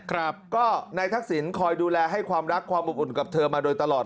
ครับก็นายทักษิณคอยดูแลให้ความรักความอบอุ่นกับเธอมาโดยตลอด